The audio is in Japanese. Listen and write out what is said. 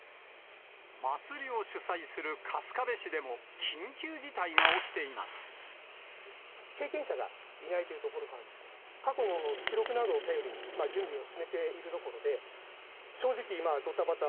祭りを主催する春日部市でも、経験者がいないというところからですね、過去の記録などを頼りに、準備を進めているところで。